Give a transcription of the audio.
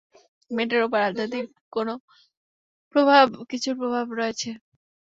মেয়েটার উপর আধ্যাত্মিক কোনও কিছুর প্রভাব রয়েছে।